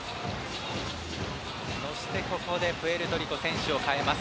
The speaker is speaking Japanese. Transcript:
ここでプエルトリコ選手を代えます。